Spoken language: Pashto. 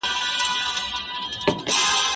هر مامون به د امان له کرښې ووزي